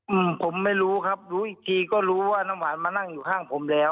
อืมผมไม่รู้ครับรู้อีกทีก็รู้ว่าน้ำหวานมานั่งอยู่ข้างผมแล้ว